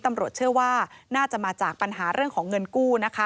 ตำรวจเชื่อว่าน่าจะมาจากปัญหาเรื่องของเงินกู้นะคะ